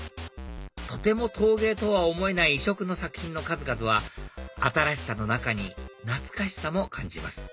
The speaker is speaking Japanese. とても陶芸とは思えない異色の作品の数々は新しさの中に懐かしさも感じます